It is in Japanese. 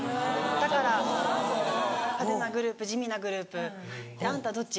だから派手なグループ地味なグループあんたどっち？